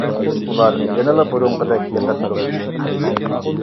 ئۇلار يەنىلا بۇرۇنقىدەك يېقىن دوست ئىدى.